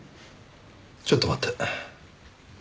ちょっと待って。